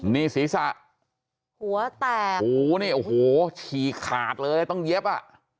นี่ศีรษะหัวแตกหูนี่โอ้โหฉีกขาดเลยต้องเย็บอ่ะ